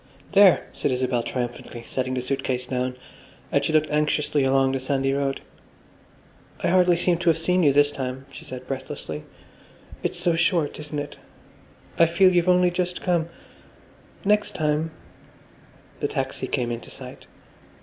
"There," said Isabel triumphantly, setting the suit case down, and she looked anxiously along the sandy road. "I hardly seem to have seen you this time," she said breathlessly. "It's so short, isn't it? I feel you've only just come. Next time—" The taxi came into sight.